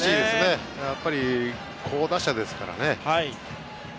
やはり好打者ですからね。